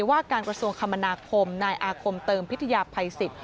ว่าการกระทรวงคมนาคมนายอาคมเติมพิทยาภัยสิทธิ